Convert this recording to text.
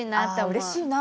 あうれしいな。